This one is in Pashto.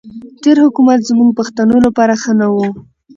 تېر حکومت زموږ پښتنو لپاره ښه نه وو.